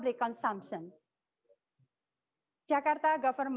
jika anda melihat data ini